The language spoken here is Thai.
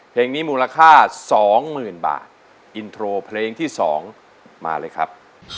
เพลงนี้มูลค่า๒๐๐๐บาทอินโทรเพลงที่๒มาเลยครับ